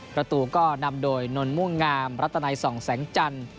ประตูก็นำโดยนนม่วงงามรัตนัยส่องแสงจันทร์